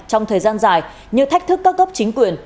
trong thời gian dài như thách thức các cấp chính quyền